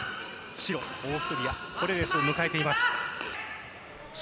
白、オーストリア、ポレレスを迎えています。